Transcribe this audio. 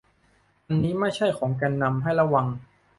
อันนี้ไม่ใช่ของแกนนำ ให้ระวัง